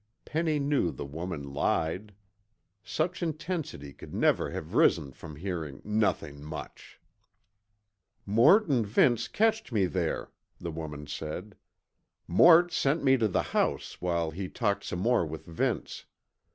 Penny knew the woman lied. Such intensity could never have risen from hearing "nothin' much." "Mort an' Vince catched me there," the woman said. "Mort sent me tuh the house while he talked some more with Vince.